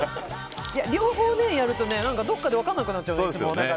両方やると、どこかで分からなくなっちゃうから。